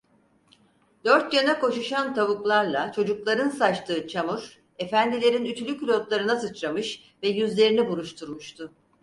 Dört yana koşuşan tavuklarla çocukların saçtığı çamur, efendilerin ütülü külotlarına sıçramış ve yüzlerini buruşturmuştu.